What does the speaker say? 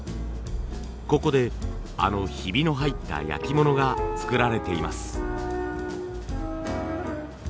ここであのヒビの入った焼き物が作られています。